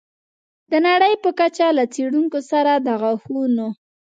د نړۍ په کچه له څېړونکو سره د غاښونو